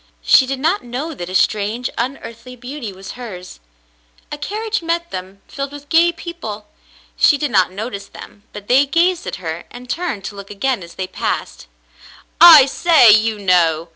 She did not know that a strange, unearthly beauty was hers. A carriage met them filled with gay people. She did not notice them, but they gazed at her and turned to look again as they passed. "I say, you know